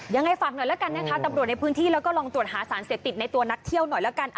ยังไงฝากหน่อยแล้วกันนะคะตำรวจในพื้นที่แล้วก็ลองตรวจหาสารเสพติดในตัวนักเที่ยวหน่อยแล้วกัน